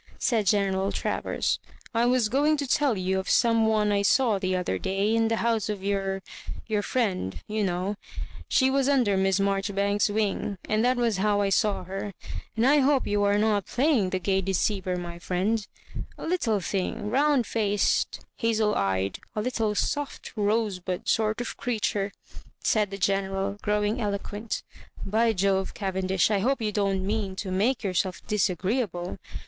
^ said General Travers; "I was going to tell you of some one I saw the other day in the house of your — ^your friend, you know. She was under Miss Maijoribanks's wing, that was bow I saw her — and I hope you are not playing the gay deceiver, my friend ;— a little thing, round faced, hazel eyed — a' little soft rosebud sort of creature," said the General, growing eloquent, " By Jove, Cavendish, I hope you don^t mean to make yourself disagreeable.